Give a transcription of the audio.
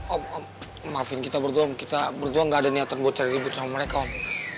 om om maafin kita berdua om kita berdua gak ada niatan buat cari ribut sama mereka om